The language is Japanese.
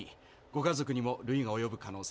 ご家族にも累が及ぶ可能性が。